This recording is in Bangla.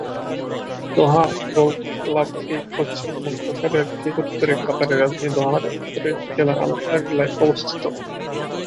দোহা গলফ ক্লাবটি পশ্চিম বঙ্গোপসাগরের ঠিক উত্তরে কাতারের রাজধানী দোহার উত্তরের জেলা আল এগলায় অবস্থিত।